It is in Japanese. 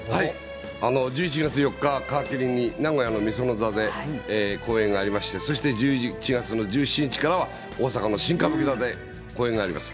１１月４日皮切りに、名古屋の御園座で公演がありまして、そして１１月の１７日からは、大阪の新歌舞伎座で公演があります。